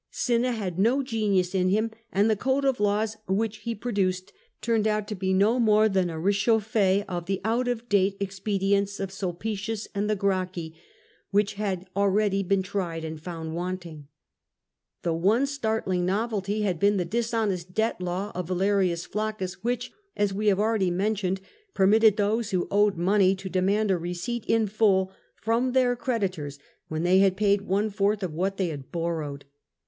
Cinna had no genius in him, and the code of laws which he pro duced turned out to be no more than a rechauffde of the out of date expedients of Sulpicius and the Gracchi, which had already been tried and found wanting. The one startling novelty had been the dishonest debt law of Valerius Flaccus, which (as we have already mentioned) permitted those who owed money to demand a receipt in full from their creditors when they had paid one fourth of what they had borrowed.